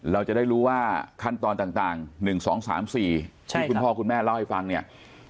เราจะได้รู้ว่าขั้นตอนต่าง๑๒๓๔ที่คุณพ่อคุณแม่เล่าให้ฟังเนี่ย